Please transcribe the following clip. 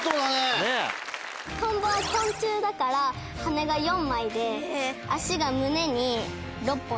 トンボは昆虫だから羽が４枚で脚が胸に６本付いてる。